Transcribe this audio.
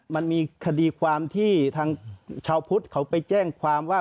มันมีคดีความที่ทางชาวพุทธเขาไปแจ้งความว่า